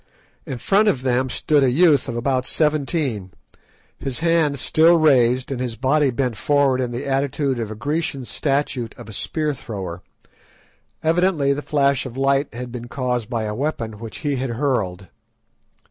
In front of them stood a youth of about seventeen, his hand still raised and his body bent forward in the attitude of a Grecian statue of a spear thrower. Evidently the flash of light had been caused by a weapon which he had hurled.